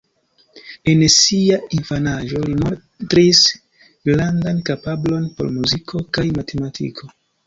En sia infanaĝo, li montris grandan kapablon por muziko kaj matematiko.